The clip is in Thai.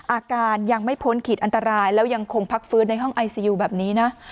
อาการยังไม่พ้นขีดอันตรายแล้วยังคงพักฟื้นในห้องไอซียูแบบนี้นะ